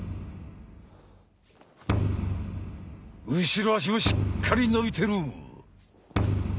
後ろ足もしっかり伸びてる！